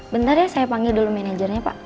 bentar ya saya panggil dulu manajernya pak